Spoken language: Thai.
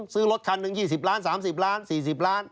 ซื้อรถคันหนึ่ง๒๐ล้าน๓๐ล้าน๔๐ล้าน